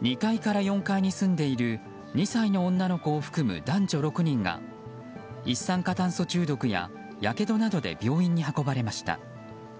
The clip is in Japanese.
２階から４階に住んでいる２歳の女の子を含む男女６人が一酸化炭素中毒や、やけどなどで病院に運ばれました。